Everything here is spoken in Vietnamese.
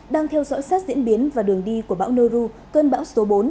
đang theo dõi sát diễn biến và đường đi của bão neru cơn bão số bốn